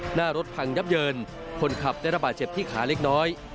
หน้ารถพังยับเยินคนขับได้ระบาดเจ็บที่ขาเล็กน้อย